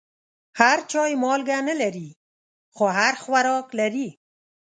هر چای مالګه نه لري، خو هر خوراک لري.